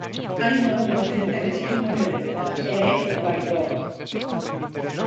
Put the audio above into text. Hai un novo presidente lexítimo en Venezuela, e é Guaidó.